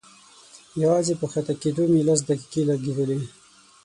يوازې په کښته کېدو مې لس دقيقې لګېدلې.